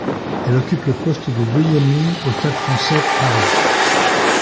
Elle occupe le poste de deuxième ligne au Stade français Paris.